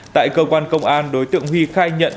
tại cơ quan công an đối tượng huy khai nhận lợi dụng sự khăn hiểm